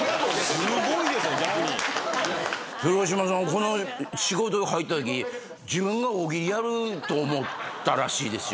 この仕事入ったとき自分が大喜利やると思ったらしいですよ。